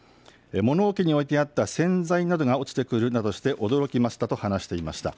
物置に置いてあった洗剤などが落ちてくるなどして驚きましたと話していました。